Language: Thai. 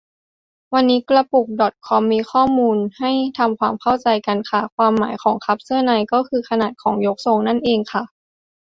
วันนี้กระปุกดอทคอมมีข้อมูลมาให้ทำความเข้าใจกันค่ะ ความหมายของ คัพเสื้อใน ก็คือขนาดของยกทรงนั่นเองค่ะ